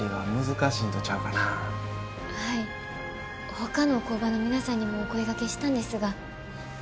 ほかの工場の皆さんにもお声がけしたんですが。